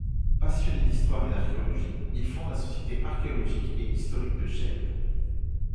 Passionné d'histoire et d'archéologie, il fonde la Société Archéologique et Historique de Chelles.